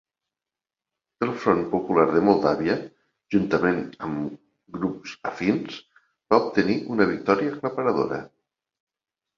El Front Popular de Moldàvia, juntament amb grups afins, va obtenir una victòria aclaparadora.